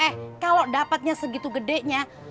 eh kalau dapatnya segitu gedenya